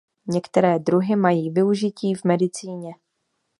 Některé druhy mají využití v medicíně.